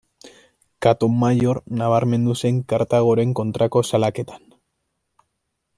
Katon Maior nabarmendu zen Kartagoren kontrako salaketan.